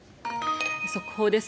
速報です。